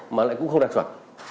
mà lại cũng không đạt chuẩn